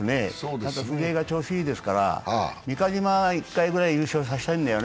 あとは古江が調子いいですから、三ヶ島は１回ぐらい優勝させたいんだね。